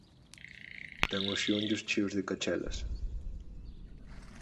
Ten os xeonllos cheos de cachelas.